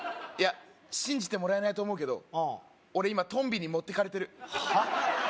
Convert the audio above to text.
いや信じてもらえないと思うけど俺今トンビに持ってかれてるはっ？